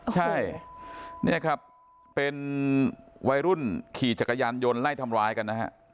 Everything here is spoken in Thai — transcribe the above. ใช่นี่ครับเป็นวัยรุ่นขี่จักรยานยนต์ไล่ทำร้ายกันนะฮะ